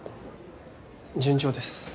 順調です。